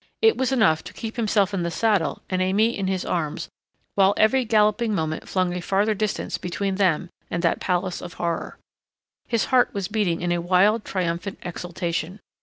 It was enough to keep himself in the saddle and Aimée in his arms while every galloping moment flung a farther distance between them and that palace of horror. His heart was beating in a wild, triumphant exultation.